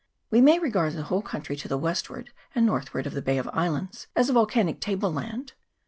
We may regard the whole country to the westward and northward of the Bay of Islands as a volcanic table land.